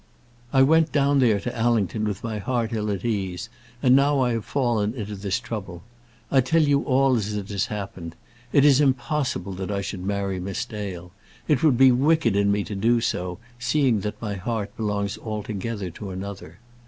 "I went down there to Allington with my heart ill at ease, and now I have fallen into this trouble. I tell you all as it has happened. It is impossible that I should marry Miss Dale. It would be wicked in me to do so, seeing that my heart belongs altogether to another.